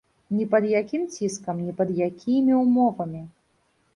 Ні пад якім ціскам, ні пад якімі ўмовамі.